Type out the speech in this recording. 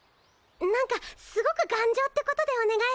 何かすごくがんじょうってことでお願い。